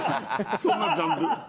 そんなジャンル。